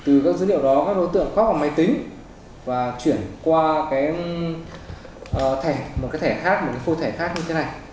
từ các dữ liệu đó các đối tượng khoác vào máy tính và chuyển qua cái thẻ một cái thẻ khác một cái phô thẻ khác như thế này